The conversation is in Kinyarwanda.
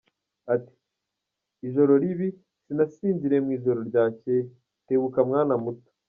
Ati, Ijoro ribi, sinasinziriye mu ijoro ryakeye!!! Tebuka mwana muto.